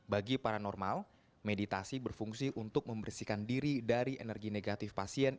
bagi paranormal meditasi berfungsi untuk membersihkan diri dari energi negatif pasien